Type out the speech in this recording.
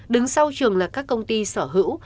đứng sau trường là các công ty sở hữu